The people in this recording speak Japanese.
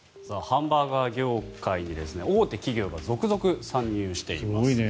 ハンバーガー業界に大手企業が続々参入しています。